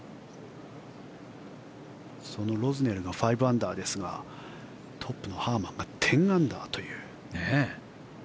そのロズネルが５アンダーですがトップのハーマンが１０アンダーという。